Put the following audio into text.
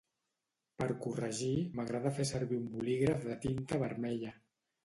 Per corregir, m'agrada fer servir un bolígraf de tinta vermella.